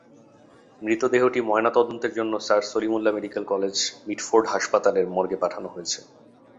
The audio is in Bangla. মৃতদেহটি ময়নাতদন্তের জন্য sir Salimullah medical college Mitford হাসপাতালের মর্গে পাঠানো হয়েছে।